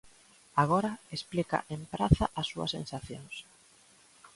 Agora, explica en Praza as súas sensacións.